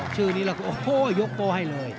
ชื่อนี้หละกด้วยโยกโต้ให้เลย